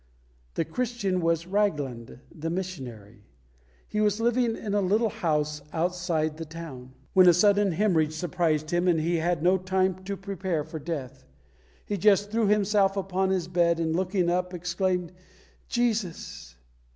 The Christian was Ragland, the missionary. He was living in a little house outside the town, when a sudden hæmorrhage surprised him, and he had no time to prepare for death. He just threw himself upon his bed, and looking up, exclaimed, "Jesus!"